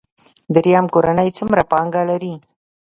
دریم کورنۍ څومره پانګه لري.